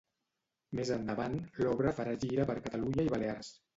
Més endavant, l'obra farà gira per Catalunya i Balears.